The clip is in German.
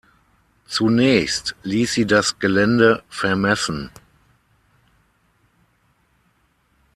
Zunächst ließ sie das Gelände vermessen.